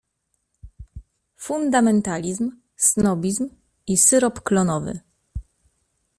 Fundamentalizm, snobizm i syrop klonowy.